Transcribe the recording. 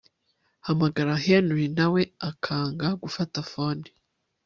guhamagara Henry nawe akanga gufata phone